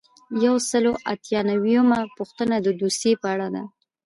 یو سل او اته نوي یمه پوښتنه د دوسیې په اړه ده.